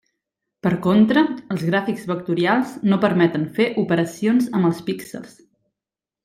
Per contra, els gràfics vectorials no permeten fer operacions amb els píxels.